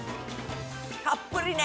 たっぷりね！